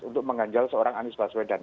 untuk mengganjal seorang anies baswedan